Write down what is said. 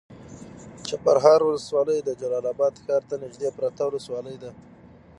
چپرهار ولسوالي د جلال اباد ښار ته نږدې پرته ولسوالي ده.